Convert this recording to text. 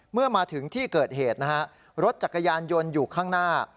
เมื่อมาถึงที่เกิดเหตุนะฮะรถจักรยานยนต์อยู่ข้างหน้า